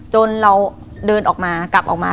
จนเราเดินออกมากลับออกมา